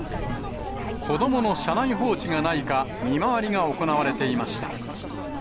子どもの車内放置がないか、見回りが行われていました。